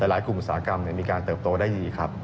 หลายกลุ่มอุตสาหกรรมมีการเติบโตได้ดีครับ